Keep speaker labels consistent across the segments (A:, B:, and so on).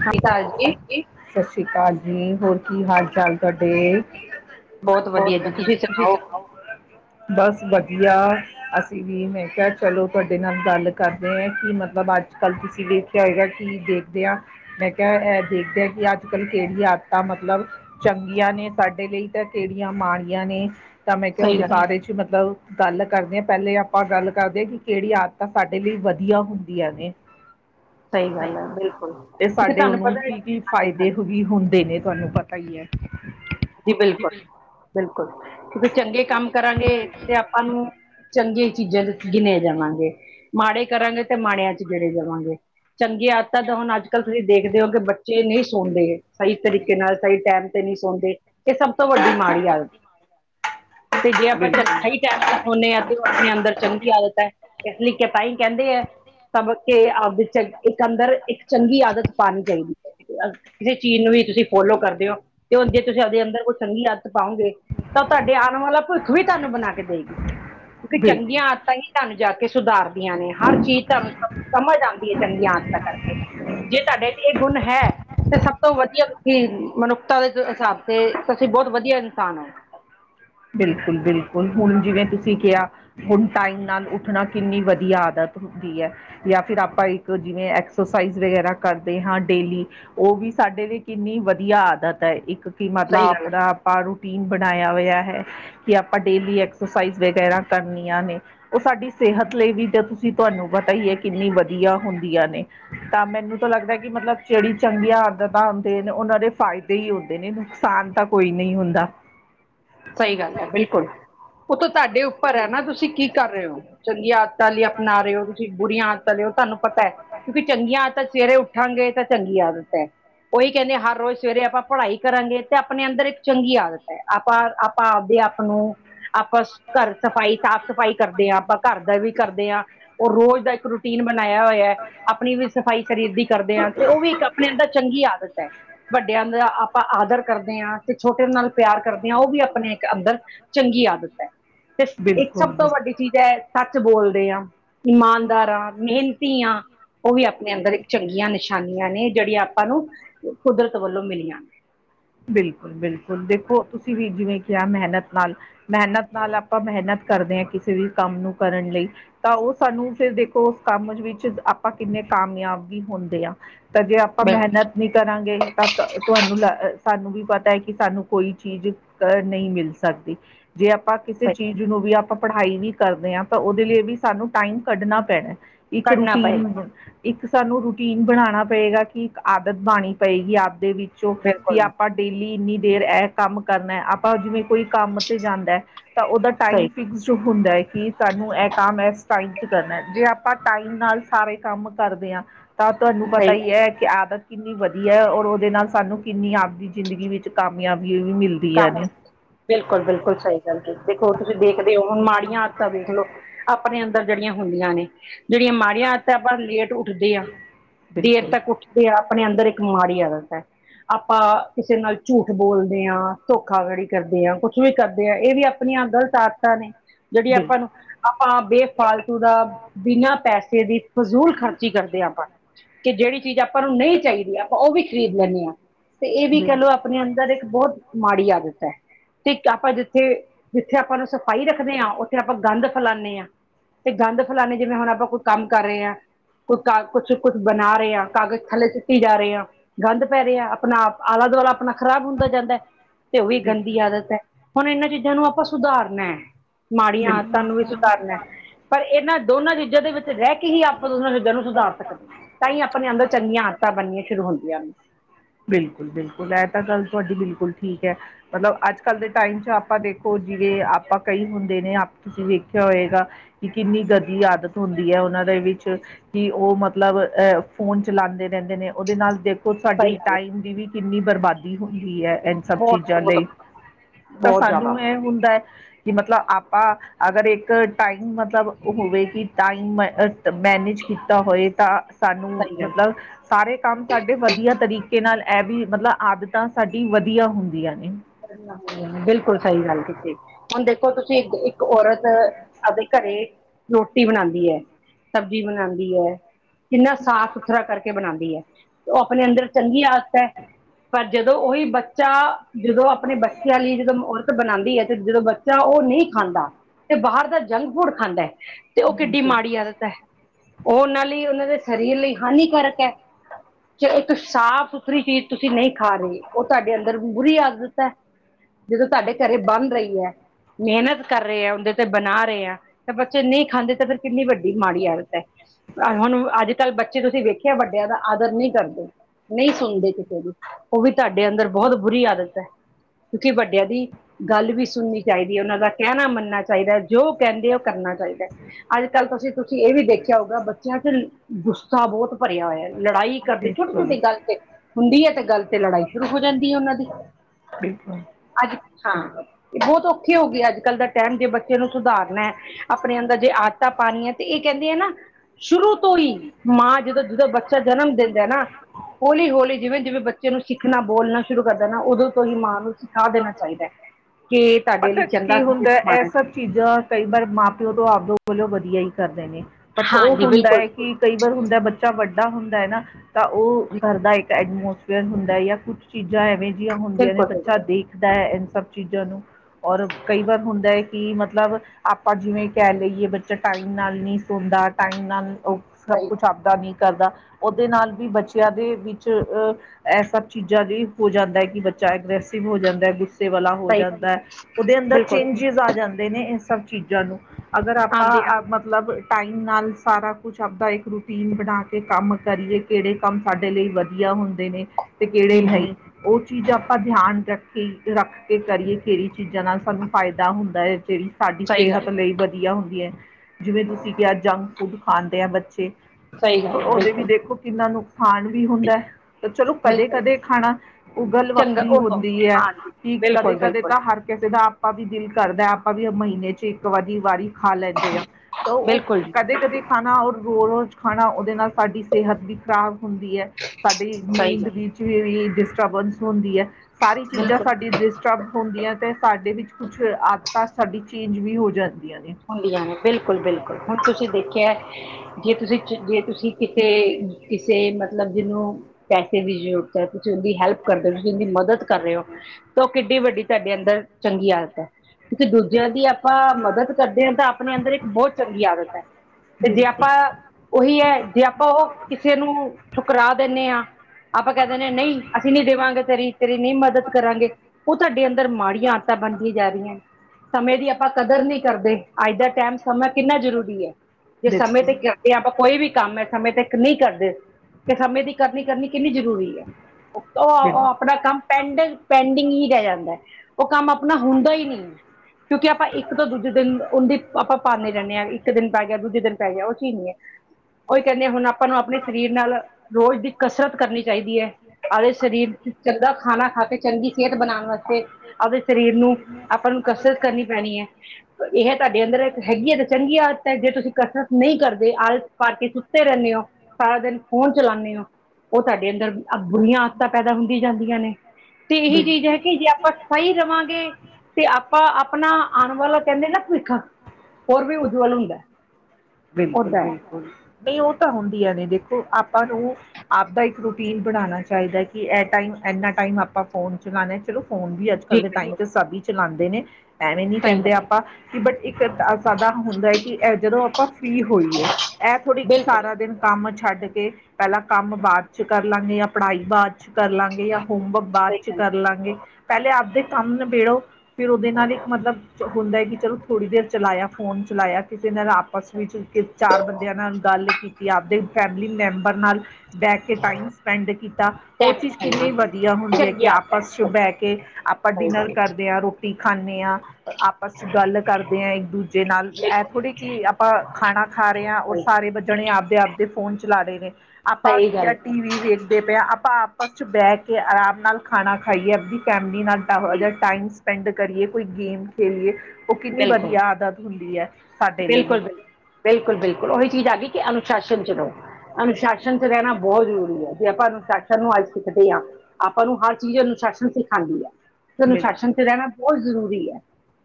A: ਸਤਿ ਸ਼੍ਰੀ ਅਕਾਲ ਜੀ
B: ਸਤਿ ਸ੍ਰੀ ਅਕਾਲ ਜੀ ਹੋਰ ਕੀ ਹਾਲ ਚਾਲ ਤੁਹਾਡੇ? ਬਹੁਤ ਵਧੀਆ, ਤੁਸੀਂ ਸੁਣਾਓ? ਬਸ ਵਧੀਆ ਅਸੀਂ ਵੀ ਮੈਂ ਕਿਹਾ ਚਲੋ ਤੁਹਾਡੇ ਨਾਲ ਗੱਲ ਕਰਦੇ ਹਾਂ ਕਿ ਮਤਲਬ ਅੱਜ ਕੱਲ੍ਹ ਤੁਸੀਂ ਵੇਖਿਆ ਹੋਏਗਾ ਕਿ ਦੇਖ ਦੇ ਹਾਂ ਮੈਂ ਕਿਹਾ ਦੇਖਦੇ ਹਾਂ ਕਿ ਅੱਜ ਕੱਲ੍ਹ ਕਿਹੜੀ ਆਦਤਾਂ ਮਤਲਬ ਚੰਗੀਆਂ ਨੇ ਸਾਡੇ ਲਈ ਤਾਂ ਕਿਹੜੀਆਂ ਮਾੜੀਆਂ ਨੇ ਤਾਂ ਮੈਂ ਕਿਹਾ
A: ਸਹੀ
B: ਉਹਦੇ
A: ਗੱਲ ਹੈ,
B: ਬਾਰੇ ਚ ਮਤਲਬ ਗੱਲ ਕਰਦੇ ਹਾਂ ਪਹਿਲੇ ਆਪਾਂ ਗੱਲ ਕਰਦੇ ਹਾਂ ਕਿ ਕਿਹੜੀ ਆਦਤਾਂ ਸਾਡੇ ਲਈ ਵਧੀਆ ਹੁੰਦੀਆਂ ਨੇ।
A: ਸਹੀ ਗੱਲ ਹੈ ਬਿਲਕੁਲ।
B: ਤੇ
A: ਕਿਉਂਕਿ
B: ਸਾਡੇ
A: ਤੁਹਾਨੂੰ
B: ਉਹਨੂੰ
A: ਪਤਾ ਹੈ,
B: ਕੀ-ਕੀ
A: ਹਾਂਜੀ
B: ਫਾਇਦੇ
A: ਹਾਂਜੀ
B: ਵੀ ਹੁੰਦੇ ਨੇ ਤੁਹਾਨੂੰ ਪਤਾ ਹੀ ਹੈ।
A: ਜੀ ਬਿਲਕੁਲ-ਬਿਲਕੁਲ ਕਿਉਂਕਿ ਚੰਗੇ ਕੰਮ ਕਰਾਂਗੇ ਤੇ ਆਪਾਂ ਨੂੰ ਚੰਗੇ ਚੀਜ਼ਾਂ ਚ' ਗਿਣੇ ਜਾਵਾਂਗੇ ਮਾੜੇ ਕਰਾਂਗੇ ਤੇ' ਮਾੜਿਆਂ ਚ' ਗਿਣੇੇ ਜਾਵਾਂਗੇ। ਚੰਗੀ ਆਦਤਾਂ ਤਾਂ ਹੁਣ ਅੱਜ ਕੱਲ੍ਹ ਤੁਸੀਂ ਦੇਖਦੇ ਹੋ ਕਿ ਬੱਚੇ ਨਹੀਂ ਸੁਣਦੇ। ਸਹੀ ਤਰੀਕੇ ਨਾਲ ਸਹੀ ਟਾਈਮ ਤੇ ਨਹੀਂ ਸੌਦੇ। ਇਹ ਸਭ ਤੋਂ ਵੱਡੀ ਮਾੜੀ ਆਦਤ ਏ ਤੇ ਜੇ ਆਪਾਂ
B: ਬਿਲਕੁਲ
A: ਚੱਲਨਾ ਹੀ ਟਾਈਮ ਤੇ ਸੋਨੇ ਆ ਤੇ ਉਹ ਆਪਣੇ ਅੰਦਰ ਚੰਗੀ ਆਦਤ ਹੈ ਇਸ ਲਈ ਕਿ ਤਾਂਹੀ ਕਹਿੰਦੇ ਹੈ। ਤਬ ਕਿ ਆਪਦੇ ਇੱਕ ਅੰਦਰ ਇੱਕ ਚੰਗੀ ਆਦਤ ਪਾਂਨੀ ਚਾਹੀਦੀ ਹੈ। ਕਿਸੇ ਚੀਜ਼ ਨੂੰ ਵੀ ਤੁਸੀਂ ਫੋਲੋ ਕਰਦੇ ਹੋ ਤੇ ਉਹ ਤੁਹਾਡੇ ਅੰਦਰ ਕੋਈ ਚੰਗੀ ਆਦਤ ਪਾਓਗੇ ਤਾਂ ਤੁਹਾਡੇ ਆਉਣ ਵਾਲਾ ਭਵਿੱਖ ਵੀ ਤੁਹਾਨੂੰ ਬਣਾ ਕੇ ਦੇਏਗੀ। ਕਿਉਂਕਿ ਚੰਗੀ ਚੰਗੀਆਂ ਆਦਤਾਂ ਹੀ ਤੁਹਾਨੂੰ ਜਾ ਕੇ ਸੁਧਾਰਦੀਆਂ ਨੇ ਹਰ ਚੀਜ਼ ਤੁਹਾਨੂੰ ਸਮਝ ਆਉਂਦੀ ਹੈ ਚੰਗੀਆਂ ਆਦਤਾਂ ਕਰਕੇ ਜੇ ਤੁਹਾਡੇ ਵਿੱਚ ਇਹ ਗੁਣ ਹੈ ਤੇ ਸਭ ਤੋਂ ਵਧੀਆ ਤੁਸੀਂ ਮਨੁੱਖਤਾ ਦੇ ਹਿਸਾਬ ਅਤੇ ਤੁਸੀਂ ਬਹੁਤ ਵਧੀਆ ਇਨਸਾਨ ਹੋ।
B: ਬਿਲਕੁੱਲ, ਬਿਲਕੁੱਲ ਹੁਣ ਜਿਵੇਂ ਤੁਸੀਂ ਕਿਹਾ ਹੁਣ ਟਾਈਮ ਨਾਲ ਉੱਠਣਾ ਕਿੰਨੀ ਵਧੀਆ ਆਦਤ ਹੁੰਦੀ ਹੈ। ਜਾਂ ਫਿਰ ਆਪਾਂ ਇੱਕ ਜਿਵੇਂ ਐਕਸਰਸਾਈਜ਼ ਵਗੈਰਾ ਕਰਦੇ ਹਾਂ ਡੇਲੀ ਉਹ ਵੀ ਸਾਡੇ ਲਈ ਕਿੰਨੀ ਵਧੀਆ ਆਦਤ ਹੈ ਇੱਕ ਕਿ ਮਤਲਬ
A: ਸਹੀ ਗੱਲ ਹੈ
B: ਆਪਣਾ ਆਪਾਂ ਰੂਟੀਨ ਬਣਾਇਆ ਹੋਇਆ ਹੈ। ਕਿ ਆਪਾਂ ਡੇਲੀ ਐਕਸਰਸਾਈਜ਼ ਵਗੈਰਾ ਕਰਨੀਆਂ ਨੇ। ਉਹ ਸਾਡੀ ਸਿਹਤ ਲਈ ਵੀ ਜੋ ਤੁਸੀਂ ਤੁਹਾਨੂੰ ਪਤਾ ਹੀ ਹੈ ਕਿੰਨੀ ਵਧੀਆ ਹੁੰਦੀਆਂ ਨੇ। ਤਾਂ ਮੈਨੂੰ ਤਾਂ ਲੱਗਦਾ ਕਿ ਮਤਲਬ ਜਿਹੜੀ ਚੰਗੀਆਂ ਆਦਤਾਂ ਹੁੰਂਦੇ ਨੇ ਉਹਨਾਂ ਦੇ ਫਾਇਦੇ ਵੀ ਹੁੰਦੇ ਨੇ ਨੁਕਸਾਨ ਤਾਂ ਕੋਈ ਨਹੀਂ ਹੁੰਦਾ।
A: ਸਹੀ ਗੱਲ ਹੈ ਬਿਲਕੁੱਲ ਉਹ ਤਾਂ ਤੁਹਾਡੇ ਉੱਪਰ ਹੈ ਨਾ ਤੁਸੀਂ ਕੀ ਕਰ ਰਹੇ ਹੋ ਚੰਗੀਆਂ ਆਦ ਆਦਤਾਂ ਲਈ ਅਪਣਾ ਰਹੇ ਹੋ ਤੁਸੀਂ ਬੁਰੀਆਂ ਆਦਤਾਂ ਹੋ ਤੁਹਾਨੂੰ ਪਤਾ ਹੈ ਕਿਉਂਕਿ ਚੰਗੀਆਂ ਆਦਤਾਂ ਸਵੇਰੇ ਉੱਠ ਉੱਠਾਂਗੇ ਤਾਂ ਚੰਗੀ ਆਦਤ ਹੈ। ਉਹੀ ਕਹਿੰਦੇ ਹਰ ਰੋਜ਼ ਸਵੇਰੇ ਆਪਾਂ ਪੜ੍ਹਾਈ ਕਰਾਂਗੇ ਤੇ ਆਪਣੇ ਅੰਦਰ ਇੱਕ ਚੰਗੀ ਆਦਤ ਹੈ। ਪਰ ਆਪਾਂ ਆਪਦੇ ਆਪ ਨੂੰ ਆਪਾਂ ਘਰ ਸਫ਼ਾਈ ਸਾਫ਼ ਸਫ਼ਾਈ ਕਰਦੇ ਹਾਂ ਆਪਾਂ ਘਰ ਦਾ ਵੀ ਕਰਦੇ ਹਾਂ। ਉਹ ਰੋਜ਼ ਦਾ ਇੱਕ ਰੁਟੀਨ ਰੁਟੀਨ ਬਣਾਇਆ ਹੋਇਆ ਆਪਣੀ ਵੀ ਸਫਾਈ ਸਰੀਰ ਦੀ ਕਰਦੇ ਹਾਂ ਤੇ ਉਹ ਵੀ ਇੱਕ ਆਪਣੇ ਅੰਦਰ ਇਕ ਚੰਗੀ ਆਦਤ ਹੈ। ਵੱਡਿਆਂ ਦਾ ਆਪਾਂ ਆਦਰ ਕਰਦੇ ਹਾਂ ਤੇ ਛੋਟੇ ਨਾਲ ਪਿਆਰ ਕਰਦੇ ਹਾਂ ਉਹ ਵੀ ਆਪਣੇ ਅੰਦਰ ਚੰਗੀ ਆਦਤ ਹੈ ਤੇ ਇੱਕ
B: ਬਿਲਕੁਲ
A: ਸਭ ਤੋਂ
B: ਬਿਲਕੁਲ
A: ਵੱਡੀ ਇਕ ਚੀਜ਼ ਹੈ ਸੱਚ ਬੋਲਦੇ ਹਾਂ। ਇਮਾਨਦਾਰ ਆ ਮਿਹਨਤੀ ਹਾਂ। ਉਹ ਵੀ ਆਪਣੇ ਅੰਦਰ ਇੱਕ ਚੰਗੀਆਂ ਨਿਸ਼ਾਨੀਆਂ ਨੇ ਜਿਹੜੀਆਂ ਆਪਾਂ ਨੂੰ, ਕੁਦਰਤ ਵੱਲੋਂ ਮਿਲੀਆਂ ਨੇ
B: ਬਿਲਕੁੱਲ- ਬਿਲਕੁੱਲ ਦੇਖੋ, ਤੁਸੀਂ ਵੀ ਜਿਵੇਂ ਕਿਹਾ ਮਿਹਨਤ ਨਾਲ ਮਿਹਨਤ ਨਾਲ ਆਪ ਆਪਾਂ ਮਿਹਨਤ ਕਰਦੇ ਹਾਂ, ਕਿਸੇ ਵੀ ਕੰਮ ਨੂੰ ਕਰਨ ਲਈ ਤਾਂ ਉਹ ਸਾਨੂੰ ਫਿਰ ਦੇਖੋ ਉਸ ਕੰਮ ਵਿੱਚ ਆਪਾਂ ਕਿੰਨੇ ਕਾਮਯਾਬ ਵੀ ਹੁੰਦੇ ਆ ਤਾਂ ਜੇ ਆਪਾਂ
A: ਬਿਲਕੁਲ
B: ਮਿਹਨਤ ਨੀ ਕਰਾਂਗੇ ਤਾਂ ਤੁਹਾਨੂੰ ਸਾਨੂੰ ਵੀ ਪਤਾ ਹੈ ਕਿ ਸਾਨੂੰ ਕੋਈ ਚੀਜ਼ ਘਰ ਨਹੀਂ ਮਿਲ ਸਕਦੀ ਜੇ ਆਪਾਂ ਕਿਸੇ
A: ਸਹੀ
B: ਚੀਜ਼ ਨੂੰ ਵੀ ਆਪ ਆਪਾਂ ਪੜ੍ਹਾਈ ਵੀ ਕਰਦੇ ਹਾਂ ਤਾਂ ਉਹਦੇ ਲਈ ਵੀ ਸਾਨੂੰ ਟਾਈਮ ਕੱਢਣਾ ਪੈਣਾ। ਇੱਕ
A: ਕੱਢਣਾ
B: ਰੂਟੀਨ
A: ਪਏਗਾ
B: ਇੱਕ ਸਾਨੂੰ ਰੂਟੀਨ ਬਣਾਉਣਾ ਪਏਗਾ, ਕਿ ਇੱਕ ਆਦਤ ਬਣਾਉਣੀ ਪਏਗੀ, ਆਪਦੇ ਵਿੱਚੋਂ ਕਿ
A: ਬਿਲਕੁਲ
B: ਆਪ ਆਪਾਂ ਡੇਲੀ ਇੰਨੀ ਦੇਰ ਇਹ ਕੰਮ ਕਰਨਾ। ਆਪਾਂ ਜਿਵੇਂ ਕੋਈ ਕੰਮ ਤੇ ਜਾਂਦਾ ਤਾਂ ਉਹਦਾ ਟਾਈਮ
A: ਸਹੀ
B: ਫਿਕਸ ਹੁੰਦਾ ਹੈ ਕਿ ਤੁਹਾਨੂੰ ਇਹ ਕੰਮ ਇਸ ਟਾਈਮ ਚ ਕਰਨਾ, ਜੇ ਆਪਾਂ ਟਾਈਮ ਨਾਲ ਸਾਰੇ ਕੰਮ ਕਰਦੇ ਹਾਂ। ਤਾਂ ਤੁਹਾਨੂੰ ਪਤਾ
A: ਸਹੀ
B: ਹੀ ਹੈ, ਕਿ ਆਦਤ ਕਿੰਨੀ ਵਧੀਆ ਹੈ ਔਰ ਉਹਦੇ ਨਾਲ ਸਾਨੂੰ ਕਿੰਨੀ ਆਪਦੀ ਜ਼ਿੰਦਗੀ ਵਿੱਚ ਕਾਮਯਾਬੀ ਵੀ ਮਿਲਦੀ ਹੈ ਨਾ
A: ਬਿਲਕੁੱਲ ਬਿਲਕੁੱਲ ਸਹੀ ਗੱਲ ਜੇ ਦੇਖੋ ਤੁਸੀਂ ਦੇਖਦੇ ਹੋ ਹੁਣ ਮਾੜੀਆਂ ਆਦਤਾਂ ਦੇਖ ਲੋ ਆਪਣੇ ਅੰਦਰ ਜਿਹੜੀਆਂ ਹੁੰਦੀਆਂ ਨੇ ਜਿਹੜੀਆਂ ਮਾੜੀਆਂ ਤਾਂ ਆਪਾਂ ਲੇਟ ਉੱਠਦੇ ਹਾਂ ਦੇਰ
B: ਬਿਲਕੁਲ
A: ਤੱਕ ਉੱਠ ਦੇ ਆਪਣੇ ਅੰਦਰ ਇੱਕ ਮਾੜੀ
B: ਬਿਲਕੁਲ
A: ਆਦਤ ਹੈ। ਆਪਾਂ ਕਿਸੇ ਨਾਲ ਝੂਠ ਬੋਲਦੇ ਹਾਂ। ਧੋਖਾ ਧੜੀ ਕਰਦੇ ਆ, ਕੁੱਛ ਵੀ ਕਰਦੇ ਆ, ਇਹ ਵੀ ਆਪਣੀਆਂ ਗ਼ਲਤ ਆਦਤਾਂ ਨੇ ਜਿਹੜੀ ਆਪਾਂ ਨੂੰ
B: ਬਿਲ
A: ਆਪਾਂ ਬੇ ਫਾਲਤੂ ਦਾ ਬਿਨਾਂ ਪੈਸੇ ਦੀ ਫਜ਼ੂਲ ਖਰਚੀ ਕਰਦੇ ਹਾਂ ਆਪਾਂ ਕਿ ਜਿਹੜੀ ਚੀਜ਼ ਆਪਾਂ ਨੂੰ ਨਹੀਂ ਚਾਹੀਦੀ ਆਪਾਂ ਉਹ ਵੀ ਖਰੀਦ ਲੈਂਦੇ ਹਾਂ ਤੇ ਇਹ ਵੀ ਕਹਿ ਲੋ ਆਪਣੇ ਅੰਦਰ ਇੱਕ ਬਹੁਤ ਮਾੜੀ ਆਦਤ ਹੈ। ਤੇ ਆਪਾਂ ਜਿੱਥੇ ਜਿੱਥੇ, ਆਪਾਂ ਨੂੰ ਸਫਾਈ ਰੱਖਦੇ ਹਾਂ ਉੱਥੇ ਆਪਾਂ ਗੰਦ ਫੈਲਾਉਂਦੇ ਹਾਂ। ਤੇ ਗੰਦ ਫੈਲਾਣੇ ਜਿਵੇਂ ਹੁਣ ਆਪਾਂ ਕੋਈ ਕੰਮ ਕਰ ਰਹੇ ਹਾਂ, ਕੋਈ ਕੁਛ ਕੁਛ ਬਣਾ ਰਹੇ ਕਾਗਜ਼ ਥੱਲੇ ਸੁੱਟੀ ਜਾ ਰਹੇ ਹਾਂ। ਗੰਦ ਪੈ ਰਿਹਾ, ਆ ਆਪਣਾ ਆਪ ਆਲਾ ਦੁਆਲਾ ਆਪਣਾ ਖ਼ਰਾਬ ਹੁੰਦਾ ਜਾਂਦਾ। ਤੇ ਉਹ ਵੀ ਗੰਦੀ
B: ਬਿਲਕੁਲ
A: ਆਦਤ ਹੈ। ਹੁਣ ਇਹਨਾਂ ਚੀਜ਼ਾਂ ਨੂੰ ਆਪਾਂ ਸੁਧਾਰਨਾ ਹੈ। ਮਾੜੀਆਂ ਆਦਤਾਂ ਨੂੰ ਵੀ ਸੁਧਾਰਨਾ
B: ਬਿਲਕੁਲ
A: ਪਰ ਇਹਨਾਂ ਦੋਨਾਂ ਚੀਜ਼ਾਂ ਦੇ ਵਿੱਚ ਰਹਿ ਕੇ ਹੀ ਆਪਾਂ ਦੂਨਾਂ ਚੀਜ਼ਾਂ ਨੂੰ ਸੁਧਾਰ ਸਕਦੇ, ਹਾਂ ਤਾਂ ਹੀ ਆਪਣੇ ਅੰਦਰ ਚੰਗੀਆਂ ਤਾਂ ਬਣਨੀਆਂ ਸ਼ੁਰੂ ਹੁੰਦੀਆਂ ਨੇ,
B: ਬਿਲਕੁਲ ਬਿਲਕੁਲ ਇਹ ਤਾਂ ਗੱਲ ਤੁਹਾਡੀ ਬਿਲਕੁਲ ਠੀਕ ਹੈ ਮਤਲਬ ਅੱਜ ਕੱਲ ਦੇ ਟਾਈਮ ਚ ਆਪਾਂ ਦੇਖੋ ਜਿਵੇਂ ਆਪਾਂ ਕਈ ਹੁੰਦੇ, ਦੇ ਨੇ ਆਪ ਤੁਸੀਂ ਵੇਖਿਆ ਹੋਏਗਾਕਿ ਕਿੰਨੀ ਗੰਦੀ ਆਦਤ ਹੁੰਦੀ ਹੈ। ਉਹਨਾਂ ਦੇ ਵਿੱਚ, ਕਿ ਉਹ ਮਤਲਬ ਅਹ ਫੋਨ ਚਲਾਉਂਦੇ ਰਹਿੰਦੇ ਨੇ ਉਹਦੇ ਨਾਲ ਦੇਖ,
A: ਸਹੀ
B: ਸਾਡੀ
A: ਗੱਲ ਹੈ
B: ਟਾਈਮ ਦੀ ਵੀ ਕਿੰਨੀ ਬਰਬਾਦੀ ਹੁੰਦੀ ਹੈ ਇਨ੍ਹਾਂ ਸਭ
A: ਬਹੁਤ
B: ਚੀਜ਼ਾਂ
A: ਬਹੁਤ
B: ਲਈ ਤਾਂ,
A: ਬਹੁਤ ਜ਼ਿਆਦਾ
B: ਸਾਨੂੰ ਇਹ ਹੁੰਦਾ ਹੈ ਕਿ ਮਤਲਬ ਆਪਾਂ, ਅਗਰ ਇੱਕ ਟਾਈਮ ਮਤਲਬ ਹੋਵੇ, ਕਿ ਟਾਈਮ ਮ ਮੈਨੇਜ ਕੀਤਾ ਹੋਏ, ਤਾਂ ਸਾਨੂੰ
A: ਸਹੀ ਗੱਲ
B: ਮਤਲਬ,, ਸਾਰੇ ਕੰਮ ਸਾਡੇ ਵਧੀਆ ਤਰੀਕੇ ਨਾਲ ਇਹ ਵੀ ਮਤਲਬ ਆਦਤਾਂ ਸਾਡੀ ਵਧੀਆ ਹੁੰਦੀਆਂ ਨੇ,
A: ਬਿਲਕੁਲ ਸਹੀ ਗੱਲ ਕੀਤੀ ਹੁਣ ਦੇਖੋ ਤੁਸੀਂ, ਇੱਕ ਔਰਤ ਆਪਦੇ ਘਰੇ ਰੋਟੀ ਬਣਾਉਂਦੀ ਹੈ। ਸਬਜ਼ੀ ਬਣਾਉਂਦੀ ਹੈ, ਕਿੰਨਾ ਸਾਫ਼ ਸੁਥਰਾ ਕਰਕੇ ਬਣਾਉਂਦੀ ਹੈ। ਉਹ ਆਪਣੇ ਅੰਦਰ ਚੰਗੀ ਆਦਤ ਹੈ। ਪਰ ਜਦੋਂ ਉਹੀ ਬੱਚਾ ਜਦੋਂ ਆਪਣੇ ਬੱਚਿਆਂ ਲਈ ਜਦੋਂ ਔਰਤ ਬਣਾਂਦੀ ਹੈ ਤੇ ਜਦੋਂ ਬੱਚਾ ਉਹ ਨਹੀਂ ਖਾਂਦਾ ਤੇ ਬਾਹਰ ਦਾ ਜੰਕ ਫੂਡ ਖਾਂਦਾ ਤੇ ਉਹ ਕਿੱਡੀ
B: ਬਿਲਕੁਲ
A: ਮਾੜੀ ਆਦਤ ਹੈ ਉਹ ਉਹਨਾਂ ਲਈ ਉਹਨਾਂ ਦੇ ਸਰੀਰ ਲਈ ਹਾਨੀਕਾਰਕ ਹੈ ਚੇ ਇੱਕ ਸਾਫ਼ ਸੁਥਰੀ ਚੀਜ਼ ਤੁਸੀਂ ਨਹੀਂ ਖਾ ਰਹੇ ਉਹ ਤੁਹਾਡੇ ਅੰਦਰ ਬੁਰੀ ਆਦਤ ਹੈ? ਜਦੋਂ ਤੁਹਾਡੇ ਘਰੇ ਬਨ ਰਹੀ ਹੈ- ਮਿਹਨਤ ਕਰਰੇ ਆ ਓਂਦੇ ਤੇ ਬਣਾ ਰਹੇ ਏ ਤੇ ਬੱਚੇ ਨਹੀਂ ਖਾਂਦੇ ਤੇ ਫਿਰ ਕਿੰਨੀ ਵੱਡੀ ਮਾੜੀ ਆਦਤ ਹੈ। ਹੁਣ ਅੱਜ ਕੱਲ੍ਹ ਬੱਚੇ ਤੁਸੀਂ ਵੇਖੇ ਏ ਵੱਡੇਆਂ ਦਾ ਆਦਰ ਨਹੀਂ ਕਰਦੇ ਨਹੀਂ ਸੁਣਦੇ ਕਿਸੇ ਦੀ। ਉਹ ਵੀ ਤਾਡੇ ਅੰਦਰ ਬਹੁਤ ਬੁਰੀ ਆਦਤ ਹੈ ਕਿਉਂਕਿ ਵੱਡੇਆਂ ਦੀ ਗੱਲ ਵੀ ਸੁਣਨੀ ਚਾਈਦੀ ਹੈ ਉਹਨਾਂ ਦਾ ਕਹਿਣਾ ਮੰਨਣਾ ਚਾਈਦਾ ਜੋ ਕਹਿੰਦੇ ਏ ਉਹ ਕਰਨਾ ਚਾਹੀਦਾ ਹੈ। ਅੱਜ ਕੱਲ ਤੁਸੀਂ ਤੁਸੀਂ ਇਹ ਵੀ ਦੇਖਿਆ ਹੋਊਗਾ ਬੱਚਿਆਂ ਚ ਗੁੱਸਾ ਬਹੁਤ ਭਰਿਆ ਹੋਇਆ ਲੜਾਈ ਕਰਦੇ ਛੋਟੀ
B: ਬਿਲਕੁਲ
A: ਛੋਟੀ ਗੱਲ ਤੇ ਹੁੰਦੀ ਏ ਤੇ ਗੱਲ ਤੇ ਲੜਾਈ ਸ਼ੁਰੂ ਹੋ ਜਾਂਦੀ ਹੈ ਉਹਨਾਂ ਦੀ
B: ਬਿਲਕੁਲ [unintelligible]
A: ਅੱਜ ਹਾਂ ਬਹੁਤ ਔਖੇ ਹੋ ਗਏ ਅੱਜ ਕੱਲ੍ਹ ਦਾ ਟਾਈਮ ਜੇ ਬੱਚੇ ਨੂੰ ਸੁਧਾਰਨਾਹ ਏ। ਆਪਣੇ ਅੰਦਰ ਜੇ ਆਦਤਾਂ ਪਾਣੀ ਐ ਤੇ ਏ ਕੇਂਦੇ ਆ ਨਾ ਸ਼ੁਰੂ ਤੋਂ ਹੀ ਮਾਂ ਜਦੋਂ ਜਦੋਂ ਬੱਚਾ ਜਨਮ ਦਿੰਦਾ ਏ ਨਾ ਹੌਲੀ -ਹੌਲੀ ਜਿਵੇਂ- ਜਿਵੇਂ ਬੱਚੇ ਨੂੰ ਸਿੱਖਨਾ ਬੋਲਨਾ ਸ਼ੁਰੂ ਕਰਦਾ ਨਾ ਉਦੋਂ ਤੋਂ ਹੀ ਮਾਂ ਨੂੰ ਸਿਖਾ ਦੇਣਾ ਚਾਹੀਦਾ ਏ ਕਿ ਤੁਹਾਡੇ ਲਈ
B: ਪਤਾ
A: ਚੰਗਾ ਕੀ ਏ ਤੇ
B: ਹੁੰਦਾ ਇਹ
A: ਮਾੜਾ ਕਿ ਏ।
B: ਸਭ ਚੀਜ਼ਾਂ ਕਈ ਬਾਰ ਮਾਂ ਪਿਓ ਤੋਂ ਆਪਦੇ ਵੱਲੋਂ ਵਧੀਆ ਹੀ ਕਰਦੇ ਨੇ ਬਟ ਉਹ
A: ਹਾਂਜੀ
B: ਹੁੰਦਾ
A: ਬਿਲਕੁਲ
B: ਏ ਕਿ ਕਈ ਬਾਰ ਹੁੰਦਾ ਬੱਚਾ ਵੱਡਾ ਹੁੰਦਾ ਹੈ ਨਾ ਤਾਂ ਉਹ ਘਰ ਦਾ ਇੱਕ ਐਟਮੋਸ ਹੁੰਦਾ ਏ ਯਾ ਕੁਛ ਚੀਜ਼ਾਂ ਐਵੇਂ ਜਿਹੀਆਂ ਹੁੰਦੀਆਂ ਨੇ
A: ਬਿਲਕੁਲ
B: ਬੱਚਾ
A: ਬਿਲਕੁਲ
B: ਦੇਖਦਾ ਹੈ ਇਨ ਸਭ ਚੀਜ਼ਾਂ ਨੂੰ। ਔਰ ਕਈ ਬਾਰ ਹੁੰਦਾ ਹੈ ਕਿ ਮਤਲਬ ਆਪਾਂ ਜਿਵੇਂ ਕਹਿ ਲਈਏ ਬੱਚਾ ਟਾਈਮ ਨਾਲ ਨੀ ਸੌਂਦਾ ਟਾਈਮ ਨਾਲ ਉਹ ਸਭ
A: ਸਹੀ
B: ਕੁੱਛ ਆਪਦਾ ਨੀ- ਕਰਦਾ ਉਹਦੇ ਨਾਲ ਵੀ ਬੱਚਿਆਂ ਦੇ ਵਿੱਚ ਅ ਇਹ ਸਭ ਚੀਜ਼ਾਂ ਦੀ ਹੋ ਜਾਂਦਾ ਹੈ ਕਿ ਬੱਚਾ ਅਗ੍ਰੈਸਿਵ ਹੋ ਜਾਂਦਾ ਏ ਗੁੱਸੇ ਵਾਲਾ ਹੋ
A: ਸਹੀ
B: ਜਾਂਦਾ ਏ ਉਹਦੇ ਅੰਦਰ
A: ਬਿਲਕੁਲ
B: ਚੇਂਜ ਜਿਸ ਆ ਜਾਂਦੇ ਨੇ ਇਹ ਸਭ ਚੀਜ਼ਾਂ ਨੂੰ ਅਗਰ
A: ਆਂਦੀ ਆ
B: ਆਪਾਂ ਮਤਲਬ ਟਾਈਮ ਨਾਲ ਸਾਰਾ ਕੁਛ ਆਪਦਾ ਇੱਕ ਰੂਟੀਨ ਬਣਾ ਕੇ ਕੰਮ ਕਰੀਏ। ਕਿਹੜੇ ਕੰਮ ਸਾਡੇ ਲਈ ਵਧੀਆ ਹੁੰਦੇ ਨੇ ਤੇ ਕਿਹੜੇ
A: ਜੀ ਜੀ
B: ਨਈ ਓ ਚੀਜ਼ ਆਪਾਂ ਧਆਨ ਰੱਖ ਕੀ ਰੱਖ ਕੇ ਕਰੀਏ ਕੇੜੀ ਚੀਜ਼ਾਂ ਨਾਲ ਸਾਨੂੰ ਫਾਇਦਾ ਹੁੰਦਾ ਐ ਜਿਹੜੀ ਸਾਡੀ
A: ਸਹੀ ਗੱਲ
B: ਸਿਹਤ ਲਈ ਵਧ ਆ ਹੁੰਦੀ ਐ ਜਿਵੇਂ ਤੁਸੀਂ ਕਿਆ ਜੰਕ ਫੂਡ ਖਾਂਦੇ ਆ ਬੱਚੇ।
A: ਸਹੀ ਗੱਲ ਹੈ
B: ਓਦੇ ਵੀ
A: ਬਿਲਕੁਲ
B: ਦੇਖੋ ਕਿੰਨਾ ਨੂੰਕ ਖਾਣ ਵੀ ਹੁੰਦਾ ਤੇ ਚਲੋ ਕਦੇ-
A: ਬਿਲਕੁਲ
B: ਕਦੇ ਖਾਣਾ ਉਹ ਗੱਲ
A: ਚੰਗਾ
B: ਵੱਖਰੀ
A: ਉਹ
B: ਹੁੰਦੀ ਐ
A: ਹਾਂਜੀ
B: ਕਿ ਕਦੇ
A: ਬਿਲਕੁਲ
B: -ਕਦੇ ਤਾਂ
A: ਬਿਲਕੁਲ
B: ਹਰ ਕਿਸੇ ਦਾ ਆਪਾਂ ਵੀ ਦਿਲ ਕਰਦਾ ਐ ਆਪਾਂ ਵੀ ਮਹੀਨੇ ਚ ਇੱਕ ਵਾਰੀ ਵਾਰੀ ਖਾ ਲੈਂਦੇ ਆ ਤੇ ਓ
A: ਬਿਲਕੁਲ ਜੀ
B: ਕਦੇ- ਕਦੇ ਖਾਨਾ ਔਰ ਰੋ ਰੋਜ਼ ਖਾਣਾ ਓਦੇ ਨਾਲ ਸਾਡੀ ਸੇਹਤ ਵੀ ਖ਼ਰਾਬ ਹੁੰਦੀ ਹੈ। ਸਾਡੀ
A: ਸਹੀ
B: ਨੀਂਦ
A: ਗੱਲ
B: ਵਿੱਚ ਵੀ ਡਿਸਟਰਬੈਂਸ ਹੁੰਦੀ ਐ ਸਾਰੀ
A: ਹੈ,
B: ਚੀਜ਼ਾਂ
A: ਬਿਲਕੁਲ
B: ਸਾਡੀ ਡਿਸ ਸਬ ਹੁੰਦੀਆਂ ਤੇ ਸਾਡੇ ਵਿੱਚ ਕੁਛ ਆਦਤਾਂ ਸਾਡੀ ਚੇਂਜ ਵੀ ਹੋ ਜਾਂਦੀਆਂ ਨੇ।
A: ਹੁੰਦੀਆਂ ਨੇ ਬਿਲਕੁਲ-ਬਿਲਕੁਲ ਹੁਣ ਤੁਸੀਂ ਦੇਖੇਆ ਜੇ ਤੁਸੀਂ ਜੇ ਤੁਸੀਂ ਕਿਤੇ ਕਿਸੇ ਮਤਲਬ ਜਿਨੂੰ ਪੈਸੇ ਦੀ ਜੂਰਤ ਹੋਏ ਤੁਸੀ ਉਹਦੀ - ਹੈਲਪ ਕਰਦੇ ਓ ਤੁਸੀਂ ਓਹ ਦੀ ਮਦਦ ਕਰ ਰਹੇ ਓ ਤੋਂ ਉਹ ਕਿੱਡੀ ਵੱਡੀ ਤੁਹਾਡੇ ਅੰਦਰ ਚੰਗੀ ਆਦਤ ਹੈ। ਕਿਸੇ ਦੂਜਿਆਂ ਦੀ ਆਪਾਂ ਮਦਦ ਕਰਦੇ ਆ ਤਾਂ ਆਪਣੇ ਅੰਦਰ ਇੱਕ ਬਹੁਤ ਚੰਗੀ ਆਦਤ ਐ ਤੇ ਜੇ ਆਪਾਂ ਓਹੀ ਹੈ ਜੇ ਆਪਾਂ ਉਹ ਕਿਸੇ ਨੂੰ ਠੁਕਰਾ ਦਿੰਨੇ ਆ ਆਪਾਂ ਕਹਿ ਦਿੰਦੇ ਆ, ਨਹੀਂ ਅਸੀਂ ਨੀ ਦੇਵਾਂਗੇ ਤੇਰੀ, ਤੇਰੀ ਨਹੀਂ ਮਦਦ ਕਰਾਂਗੇ। ਓ ਤੁਹਾਡੇ ਅੰਦਰ ਮਾੜੀਆਂ 'ਆਦਤਾਂ' ਬਣਦੀਆਂ ਜਾ ਰਈਆਂ, ਸਮੇਂ ਦੀ ਆਪਾਂ ਕਦਰ ਨਈ। ਕਰਦੇ ਅੱਜ ਦਾ ਟਾਈਮ ਸਮਾਂ ਕਿੰਨਾ 'ਜ਼ਰੂਰੀ' ਐ, ਜੇ ਸਮੇਂ ਤੇ। ਇਹ ਆਪਾਂ ਕੋਈ ਵੀ ਕੰਮ ਐ, ਸਮੇਂ ਤੱਕ ਨਈ ਕਰਦੇ। ਤੇ ਸਮੇ ਦੀ ਕਰਨੀ, ਕਰਨੀ ਕਿੰਨੀ ਜ਼ਰੂਰੀ ਐ, ਓ ਆਪਣਾ ਕੰਮ। ਪੈਂਡ, ਪੈਂਡਿੰਗ ਹੀ ਰਹਿ ਜਾਂਦਾ ਐ, ਉਹ ਕੰਮ ਆਪਣਾ ਹੁੰਦਾ ਈ ਨਈ ਐ। ਕਿਉਂਕਿ ਆਪਾਂ ਇੱਕ ਤੋਂ ਦੂਰ ਉਹਦੀ ਆਪਾਂ ਪਾਂਦੇ ਜਾਂਦੇ ਹਾਂ, ਇੱਕ ਦਿਨ ਪੈ ਗਿਆ, ਦੂਜੇ ਦਿਨ ਪੈ ਗਿਆ, ਉਹ ਚੀਜ਼ ਨਹੀਂ ਹੈ ਉਹਹੀ ਕਹਿੰਦੇ। ਹੁਣ ਆਪਾਂ ਸਾਨੂੰ ਆਪਣੇ ਸਰੀਰ ਨਾਲ ਰੋਜ਼ ਦੀ 'ਕਸਰਤ' ਕਰਨੀ ਚਾਹੀਦੀ ਹੈ। ਹਲੇ ਸਰੀਰ ਚੰਗਾ ਖਾਣਾ ਖਾ ਕੇ, ਚੰਗੀ ਸਿਹਤ ਬਣਾਉਣ ਵਾਸਤੇਂ ਆਪਦੇ ਸਰੀਰ ਨੂੰ, ਆਪਾਂ ਨੂੰ ਕਸਰਤ ਕਰਨੀ ਪੈਣੀ ਹੈ। ਇਹ ਤੁਹਾਡੇ ਅੰਦਰ ਹੈਗੀ ਹੈ ਤਾਂ ਚੰਗੀ ਆਦਤ ਹੈ, ਜੇ ਤੁਸੀਂ ਕਸਰਤ ਨਹੀਂ ਕਰਦੇ। ਆਦਤ ਭਰ ਕੇ ਸੁੱਤੇ ਰਹਿੰਦੇ ਹੋ, ਸਾਰਾ ਦਿਨ 'ਫੋਨ' ਚਲਾਉਂਦੇ ਹੋ। ਉਹ ਤੁਹਾਡੇ ਅੰਦਰ 'ਬੁਰੀਆਂ ਆਦਤਾਂ' ਪੈਦਾ ਹੁੰਦੀ ਜਾਂਦੀਆਂ ਨੇ, ਤੇ ਇਹੀ ਚੀਜ਼ ਹੈ। ਜੇ ਆਪਾਂ ਸਹੀ ਰਵਾਂਗੇ, ਤੇ ਆਪਾਂ ਆਪਣਾ ਆਉਣ ਵਾਲਾ। ਕਹਿੰਦੇ ਨਾ 'ਭਵਿੱਖਾ', ਹੋਰ ਵੀ ਉਜਵਲ ਹੁੰਦਾ।
B: ਬਿਲਕੁਲ,
A: ਓਦਾਂ ਹੈ
B: ਬਿਲਕੁਲ ਨਹੀਂ ਉਹ ਤਾਂ ਹੁੰਦੀਆਂ ਨੇ ਦੇਖੋ। ਆਪਾਂ ਨੂੰ ਆਪਦਾ ਇੱਕ ਰੂਟੀਨ ਬਣਾਉਣਾ ਚਾਹੀਦਾ ਕਿ ਇਹ ਟਾਈਮ ਐਨਾ ਟਾਈਮ ਆਪਾਂ ਫੋਨ ਚਲਾਉਣਾ। ਚਲੋ ਫੋਨ ਵੀ ਅੱਜ -
A: ਜੀ
B: ਕੱਲ ਦੇ ਟਾਈਮ
A: ਬਿਲਕੁਲ
B: ਤੇ ਸਾਬੀ ਚਲਾਉਂਦੇ ਨੇ। ਐਵੇਂ ਨੀ
A: ਸਹੀ
B: ਕਹਿੰਦੇ
A: ਗੱਲ
B: ਆਪਾਂ, ਕਿ ਬਟ ਇੱਕ ਸਾਦਾ ਹੁੰਦਾ ਹੈ ਕਿ ਜਦੋਂ ਫੀ ਹੋਈ ਹੈ, ਇਹ ਥੋੜ੍ਹੀ ਕਿ
A: ਬਿਲਕੁਲ
B: ਸਾਰਾ ਦਿਨ ਕੰਮ ਛੱਡ ਕੇ, ਪਹਿਲਾਂ ਕੰਮ ਬਾਅਦ ਚ ਕਰ। ਕਰ ਲਾਂਗੇ ਜਾਂ ਪੜ੍ਹਾਈ ਬਾਅਦ ਚ ਕਰ ਲਾਂਗੇ ਜਾਂ 'ਹੋਮਵਰਕ' ਬਾਅਦ
A: ਸਹੀ
B: ਚ
A: ਗੱਲ
B: ਕਰ ਲਾਂਗੇ। ਪਹਿਲੇ ਆਪਦੇ ਕੰਮ ਨ ਨਬੇੜੋ। ਫਿਰ ਉਹਦੇ ਨਾਲ ਇੱਕ ਮਤਲਬ ਹੁੰਦਾ ਹੈ, ਕਿ ਚਲੋ ਥੋੜ੍ਹੀ ਦੇਰ ਚਲਾਇਆ 'ਫੋਨ' ਚਲਾਇਆ। ਕਿਸੇ ਨਾਲ ਆਪਸ ਵਿੱਚ ਚਾਰ ਬੰਦਿਆਂ ਨਾਲ ਗੱਲ ਕੀਤੀ, ਆਪਦੇ ਫੈਮਲੀ ਮੈਂਬਰ ਨਾਲ। ਬਹਿਠ ਕੇ ਟਾਈਮ 'ਸਪੈਂਡ' ਕੀਤਾ। ਉਹ ਚੀਜ਼
A: ਟਾਈਮ
B: ਕਿੰਨੀ
A: ਹਾਂਜੀ
B: ਵਧੀਆ ਹੁੰਦੀ ਹੈ,
A: ਚੰਗੀ
B: ਕਿ
A: ਆਦਤ
B: ਆਪਸ 'ਚ ਬਹਿ ਕੇ ਆਪਾਂ
A: ਸਹੀ
B: 'ਡਿਨਰ'
A: ਗੱਲ
B: ਕਰਦੇ ਹਾਂ ਰੋਟੀ' ਖਾਂਦੇ ਹਾਂ। ਆਪਸ ਚ ਗੱਲ ਕਰਦੇ ਆ। ਇੱਕ - ਦੂਜੇ ਨਾਲ ਇਹ
A: ਬਿਲਕੁਲ
B: ਥੋੜੀ ਕਿ ਆਪਾਂ ਖਾਣਾ ਖਾ ਰਹੇ ਹਾਂ ਔਰ ਸਾਰੇ ਜਾਣੇ ਆਪਦੇ, ਆਪਦੇ 'ਫੋਨ' ਚਲਾ ਰਹੇ ਨੇ। ਆਪਾਂ
A: ਸਹੀ
B: ਜਾਂ
A: ਗੱਲ ਹੈ
B: ਟੀ ਵੀ ਵੇਖਦੇ ਪਏ ਹਾਂ, ਆਪਾਂ ਆਪਸ 'ਚ ਬਹਿ ਕੇ ਆਰਾਮ ਨਾਲ ਖਾਣਾ ਖਾਈਏ ਆਪਦੀ। ਫੈਮਿਲੀ ਨਾਲ ਤਾਂ ਹੋਇਆ
A: ਜੀ
B: ਜਾਂ ਟਾਈਮ 'ਸਪੈਂਡ' ਕਰੀਏ ਕੋਈ ਗੇਮ ਖੇ ਲਈਏ ਉਹ ਕਿੰਨੀ
A: ਬਿਲਕੁਲ
B: ਵਧੀਆ 'ਆਦਤ' ਹੁੰਦੀ ਹੈ, ਸਾਡੇ ਲਈ
A: ਬਿਲਕੁਲ
B: ਵੀ।
A: ਬਿਲਕੁਲ, ਬਿਲਕੁਲ ਉਹੀ ਚੀਜ਼ ਆ ਗਈ ਕਿ 'ਅਨੁਸ਼ਾਸਨ' ਚ ਰਹੋ। ਅਨੁਸ਼ਾਸਨ' ਚ ਰਹਿਣਾ ਬਹੁਤ ਜ਼ਰੂਰੀ ਹੈ। ਜੇ ਆਪਾਂ 'ਅਨੁਸ਼ਾਸਨ' ਨੂੰ ਅੱਜ ਸਿੱਖਦੇ ਹਾਂ। ਆਪਾਂ ਨੂੰ ਹਰ ਚੀਜ਼ 'ਅਨੁਸ਼ਾਸਨ' ਸਿਖਾਉਂਦੀ ਹੈ। ਅਨੁਸਾਸ਼ਨ ਤੇ ਰਹਿਣਾ ਬਹੁਤ ਜ਼ਰੂਰੀ ਹੈ।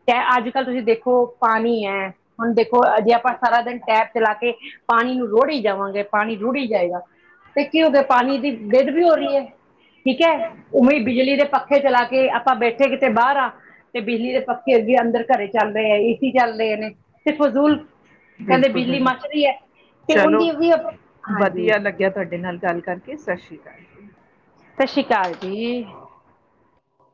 A: ਤੇ ਅੱਜ ਕੱਲ ਦੇਖੋ ਪਾਣੀ ਹੈ। ਹੁਣ ਦੇਖੋ ਜੇ ਆਪਾਂ ਸਾਰਾ ਦਿਨ ਟੈਪ ਚਲਾ ਕੇ ਪਾਣੀ ਨੂੰ ਰੋੜੀ ਜਾਵਾਂਗੇ, ਪਾਣੀ ਰੁੜੀ ਜਾਏਗਾ। ਤੇ ਕੀ ਹੋ ਗਿਆ ਪਾਣੀ ਦੀ ਬੇਦ ਵੀ ਹੋ ਰਹੀ ਹੈ ਠੀਕ ਹੈ। ਉਵੇਂ ਬਿਜਲੀ ਦੇ ਪੱਖੇ ਪੱਖੇ ਚਲਾ ਕੇ ਆਪਾਂ ਬੈਠੇ ਕਿਤੇ ਬਾਹਰ ਆ। ਤੇ ਬਿਜਲੀ ਦੇ 'ਪੱਖੇ' ਅੱਗੇ ਅੰਦਰ ਘਰੇ ਚੱਲਦੇ ਹੈ ਏ ਸੀ ਚੱਲਦੇ ਨੇ। ਤੇ ਫਜ਼ੂਲ ਕਹਿੰਦੇ
B: ਬਿਲਕੁਲ
A: 'ਬਿਜਲੀ' ਮੱਚ
B: ਬਿਲਕੁਲ
A: ਰਹੀ ਹੈ ਤੇ
B: ਚਲੋ
A: ਉਹਦੀ ਵੀ ਆਪਾਂ ਹਾਂਜੀ।
B: ਵਧੀਆ ਲੱਗਿਆ ਤੁਹਾਡੇ ਨਾਲ 'ਗੱਲ' ਕਰਕੇ ਸਤਿ ਸ਼੍ਰੀ ਅਕਾਲ। ਜੀ
A: ਸਤਿ ਸ਼੍ਰੀ ਅਕਾਲ ਜੀ।